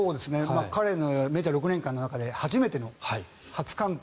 彼のメジャー６年間の中で初めての初完投